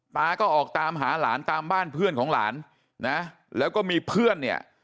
ตาก็ออกตามหาหลานตามบ้านเพื่อนของหลานนะแล้วก็มีเพื่อนเนี่ย